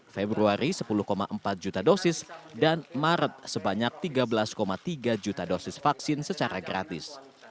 februari sepuluh empat juta dosis dan maret sebanyak tiga belas tiga juta dosis vaksin secara gratis